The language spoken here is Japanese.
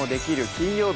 金曜日」